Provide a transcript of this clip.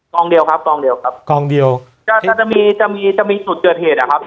กองเดียวครับกองเดียวครับกองเดียวก็จะมีจะมีจะมีจุดเกิดเหตุอะครับ